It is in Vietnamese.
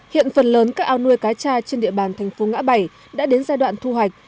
hiện phần lớn các ao nuôi cá cha trên địa bàn thành phố ngã bảy đã đến giai đoạn thu hoạch